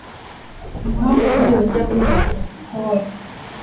impamvu ntiriwe njya muri za protocol